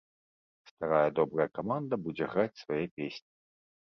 Старая добрая каманда будзе граць свае песні.